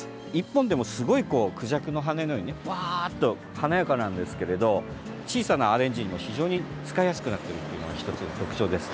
１本でもクジャクの羽のように華やかなんですけど小さなアレンジにも非常に使いやすくなっているのが１つの特徴です。